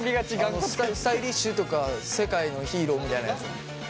スタイリッシュとか世界のヒーローみたいなやつ。